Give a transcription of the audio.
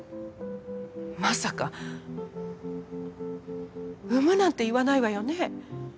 まさか産むなんて言わないわよね？